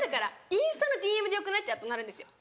インスタのＤＭでよくない？ってなるんですよ。